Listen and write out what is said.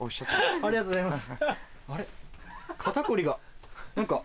ありがとうございます。